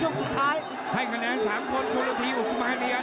ไม่ดี